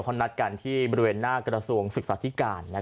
เขานัดกันที่บริเวณหน้ากระทรวงศึกษาธิการ